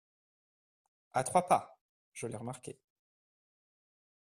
À trois pas ! je l’ai remarqué…